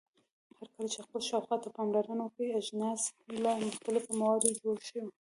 هرکله چې خپل شاوخوا ته پاملرنه وکړئ اجناس له مختلفو موادو جوړ شوي.